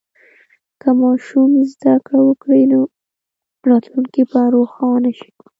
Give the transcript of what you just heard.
که ماشوم زده کړه وکړي، نو راتلونکی به روښانه شي.